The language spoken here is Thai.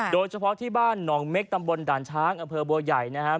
โดยเฉพาะที่บ้านหนองเม็กตำบลด่านช้างอำเภอบัวใหญ่นะครับ